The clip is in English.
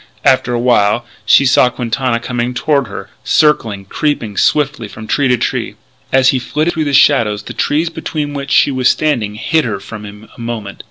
After a while she saw Quintana coming toward her, circling, creeping swiftly from tree to tree. As he flitted through the shadows the trees between which she was standing hid her from him a moment.